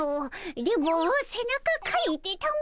電ボせなかかいてたも。